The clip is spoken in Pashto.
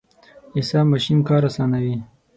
د حساب ماشین کار اسانوي.